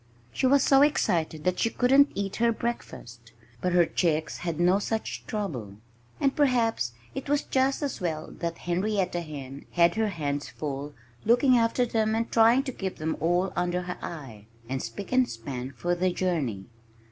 She was so excited that she couldn't eat her breakfast. But her chicks had no such trouble. And perhaps it was just as well that Henrietta Hen had her hands full looking after them and trying to keep them all under her eye, and spick and span for the journey.